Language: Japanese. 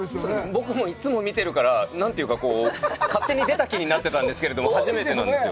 僕もいつも見てるから、なんというか、勝手に出た気になってたんですけど、初めてなんですよ。